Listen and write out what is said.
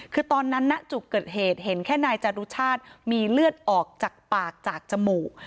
คือตอนนั้นณจุดเกิดเหตุเห็นแค่นายจารุชาติมีเลือดออกจากปากจากจมูก